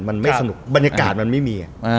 มันไม่สนุกบรรยากาศมันไม่มี